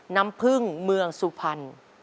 น้ำพึ่งเมืองสุพรรณ